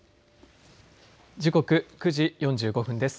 時刻９時４５分です。